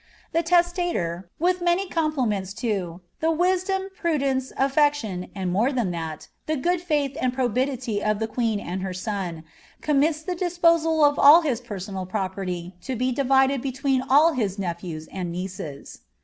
The testator, with many cumpHments lo " ihe wisdom, jinmnwe, sflbflion, and, more than lljal, the good faith and probity of the ({Wal and her son, rommiis the disposal of all his personal properly lo ie by them divided between all his nephews and nieces."'